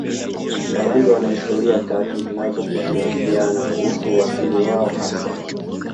Warangi wana historia tatu zinazohitilafiana kuhusu uasili wao hasa